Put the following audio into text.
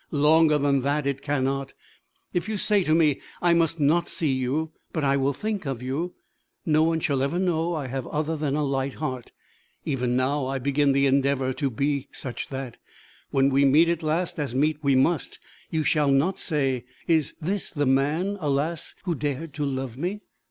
Longer than that it cannot. If you say to me, 'I must not see you, but I will think of you,' not one shall ever know I have other than a light heart. Even now I begin the endeavour to be such that, when we meet at last, as meet we must, you shall not say, 'Is this the man, alas, who dared to love me!'